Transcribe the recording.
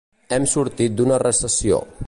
Hem sortit d'una recessió.